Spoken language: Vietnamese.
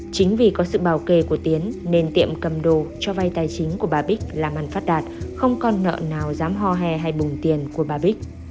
chính vì có sự bảo kề của tiến nên tiệm cầm đồ cho vai tài chính của bà bích là màn phát đạt không còn nợ nào dám ho he hay bùng tiền của bà bích